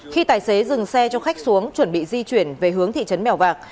khi tài xế dừng xe cho khách xuống chuẩn bị di chuyển về hướng thị trấn mèo vạc